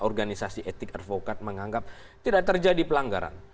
organisasi etik advokat menganggap tidak terjadi pelanggaran